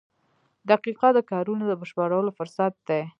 • دقیقه د کارونو د بشپړولو فرصت دی.